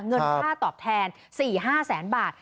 เงินค่าตอบแทน๔๕แสนบาท